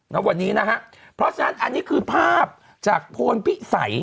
ณวันนี้นะฮะเพราะฉะนั้นอันนี้คือภาพจากโพนพิสัย